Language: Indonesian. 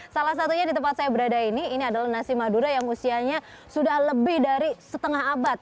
salah satunya di tempat saya berada ini ini adalah nasi madura yang usianya sudah lebih dari setengah abad